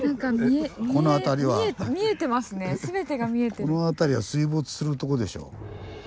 ですからこの辺りは水没するとこでしょ。